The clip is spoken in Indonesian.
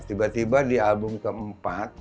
tiba tiba di album keempat